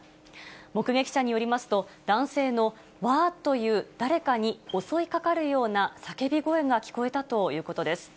目撃者によりますと、男性のわーっという、誰かに襲いかかるような叫び声が聞こえたということです。